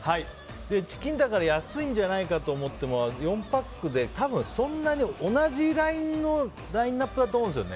チキンだから安いんじゃないかと思っても４パックで多分そんなに同じラインアップだと思うんですよね。